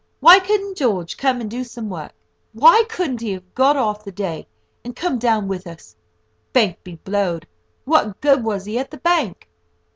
Why couldn't George come and do some work? Why couldn't he have got the day off, and come down with us? Bank be blowed! What good was he at the bank?